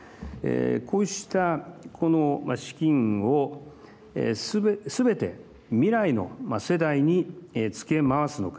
こうした資金をすべて未来の世代にツケを回すのか。